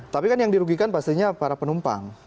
tapi kan yang dirugikan pastinya para penumpang